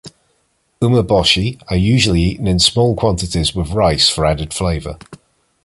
Umeboshi are usually eaten in small quantities with rice, for added flavor.